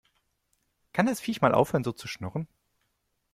Kann das Viech mal aufhören so zu schnurren?